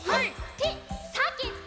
てさげて！